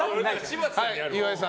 岩井さん。